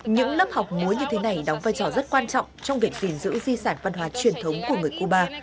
những lớp học múa như thế này đóng vai trò rất quan trọng trong việc gìn giữ di sản văn hóa truyền thống của người cuba